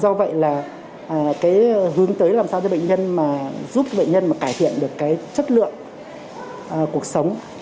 do vậy là cái hướng tới làm sao cho bệnh nhân mà giúp bệnh nhân mà cải thiện được cái chất lượng cuộc sống